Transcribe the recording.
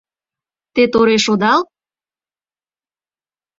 Те тореш одал?